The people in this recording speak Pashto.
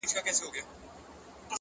اوس ژاړي- اوس کتاب ژاړي- غزل ژاړي-